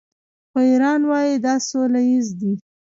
خو ایران وايي دا سوله ییز دی.